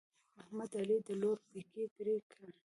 احمد د علي د لور پېکی پرې کړ.